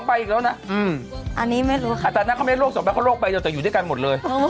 อันนั้นเขาไม่ได้โรค๒ไปเขาโรคไปแล้วจะอยู่ด้วยกันหมดเลย